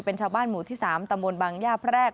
เป็นชาวบ้านหมู่ที่สามตำบลบางญาแผลก